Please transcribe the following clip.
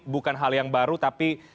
bukan hal yang baru tapi